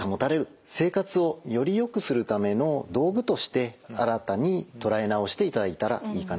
生活をよりよくするための道具として新たに捉え直していただいたらいいかなと思います。